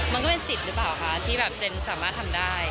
มันก็เป็นสิทธิ์หรือเปล่าคะที่แบบเจนสามารถทำได้